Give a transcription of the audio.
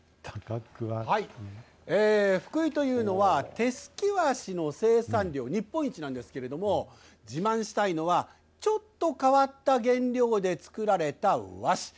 福井というのは、手すき和紙の生産量日本一なんですけれども、自慢したいのは、ちょっと変わった原料で作られた和紙。